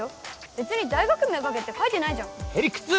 別に大学名を書けって書いてないじゃんへりくつ！